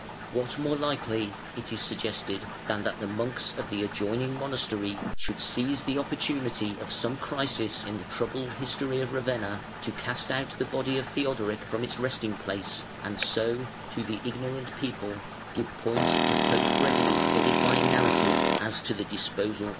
What more likely, it is suggested, than that the monks of the adjoining monastery should seize the opportunity of some crisis in the troubled history of Ravenna to cast out the body of Theodoric from its resting place, and so, to the ignorant people, give point to Pope Gregory's edifying narrative as to the disposal of his soul?